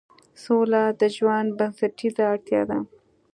سوله د ژوند بنسټیزه اړتیا ده